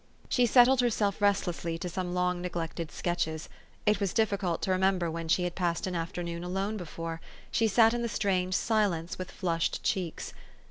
" She settled herself restlessly to some long neglected sketches : it was difficult to remember when she had passed an afternoon alone before; she sat in the strange silence, with flushed cheeks.